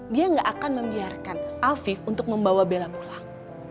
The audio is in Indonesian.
dia gak akan membiarkan afif untuk membawa bela pulang